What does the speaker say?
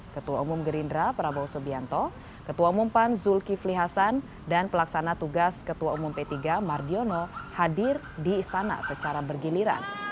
ketua umum gerindra prabowo subianto ketua umum pan zulkifli hasan dan pelaksana tugas ketua umum p tiga mardiono hadir di istana secara bergiliran